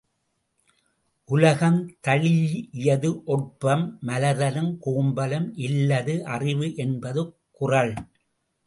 உலகம் தழீ இயது ஒட்பம் மலர்தலும் கூம்பலும் இல்லது அறிவு என்பது குறள்.